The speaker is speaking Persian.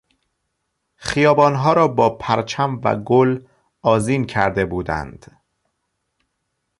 خیابانها را با پرچم و گل آذین کرده بودند.